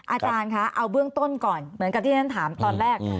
อาจารย์คะเอาเบื้องต้นก่อนเหมือนกับที่ฉันถามตอนแรก